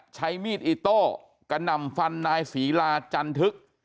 ใช้มีดอิโต้กระหน่ำฟันนายศรีลาจันทึก